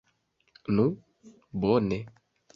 Nu, bone.